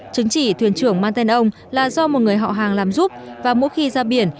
chứng chỉ thuyền trưởng mang tên ông là do một người họ hàng làm giúp và mỗi khi ra biển